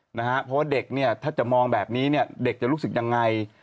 เพราะว่าเด็กเนี่ยถ้าจะมองแบบนี้เนี่ยเด็กจะรู้สึกยังไง